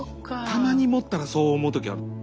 たまに持ったらそう思う時ある。